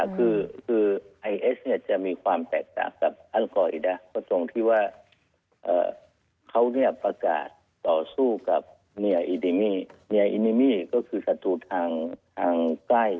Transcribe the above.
คือไอเอสเนี่ยจะมีความแตกต่างกับอัลกออิดะก็ตรงที่ว่าเขาเนี่ยประกาศต่อสู้กับเมียอิเดมี่เมียอิเนมี่ก็คือศัตรูทางใกล้